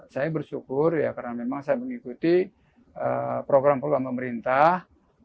saya bersyukur ya karena memang saya mengikuti program program pemerintah